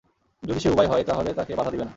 যদি সে উবাই হয় তাহলে তাকে বাধা দিবে না।